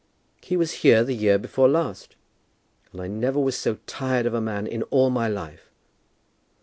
"He was here the year before last." "And I never was so tired of a man in all my life."